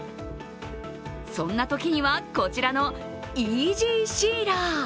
そんなときにはこちらのイージーシーラー。